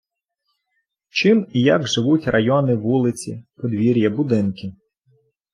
чим і як живуть райони, вулиці, подвір"я, будинки.